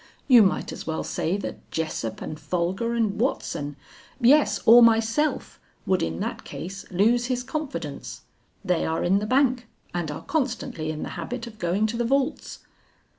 You might as well say that Jessup and Folger and Watson yes, or myself, would in that case lose his confidence. They are in the bank, and are constantly in the habit of going to the vaults."